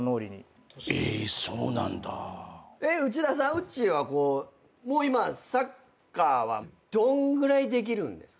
うっちーは今サッカーはどんぐらいできるんですか？